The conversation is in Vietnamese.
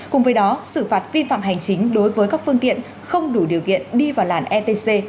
cùng với đó xử phạt vi phạm hành chính đối với các phương tiện không đủ điều kiện đi vào làn etc